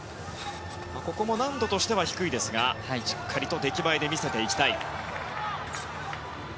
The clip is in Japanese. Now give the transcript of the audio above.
難度としては低いですがしっかりと出来栄えで見せていきたい。